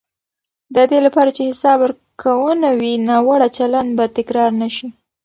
د دې لپاره چې حساب ورکونه وي، ناوړه چلند به تکرار نه شي.